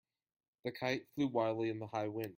The kite flew wildly in the high wind.